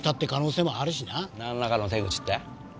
なんらかの手口って？